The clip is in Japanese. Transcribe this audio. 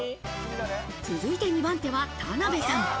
続いて２番手は田辺さん。